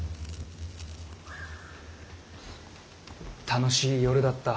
楽しい夜だった。